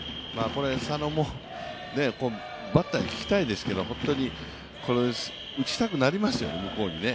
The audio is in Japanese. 佐野もバッターに聞きたいですけど、本当に打ちたくなりますよね、向こうにね。